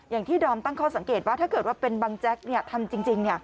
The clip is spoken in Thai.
อย่างที่ดอมตั้งข้อสังเกตว่าถ้าเกิดว่าเป็นบังแจ๊กทำจริง